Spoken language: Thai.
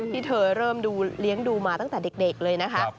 ที่เธอเริ่มดูเลี้ยงดูมาตั้งแต่เด็กเลยนะคะ